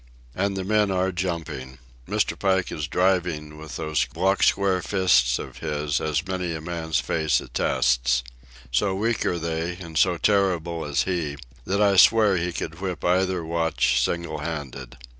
And the men are jumping. Mr. Pike is driving with those block square fists of his, as many a man's face attests. So weak are they, and so terrible is he, that I swear he could whip either watch single handed.